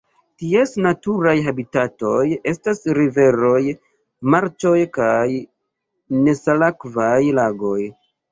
Ties naturaj habitatoj estas riveroj, marĉoj kaj nesalakvaj lagoj.